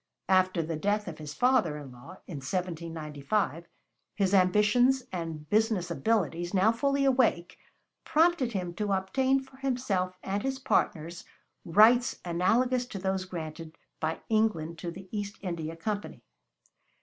After the death of his father in law, in 1795, his ambitions and business abilities, now fully awake, prompted him to obtain for himself and his partners rights analogous to those granted by England to the East India Company.